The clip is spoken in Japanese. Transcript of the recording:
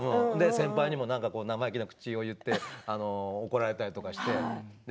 先輩にも生意気な口を言って怒られたりして。